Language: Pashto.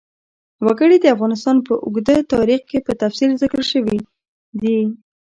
وګړي د افغانستان په اوږده تاریخ کې په تفصیل ذکر شوی دی.